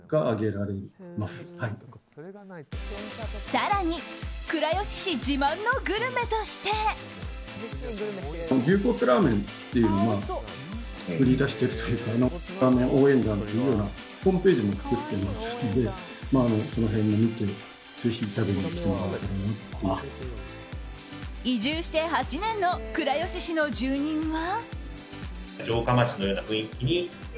更に倉吉市自慢のグルメとして。移住して８年の倉吉市の住人は。